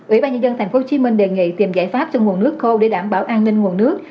ủy ban nhân dân tp hcm đề nghị tìm giải pháp cho nguồn nước thô để đảm bảo an ninh nguồn nước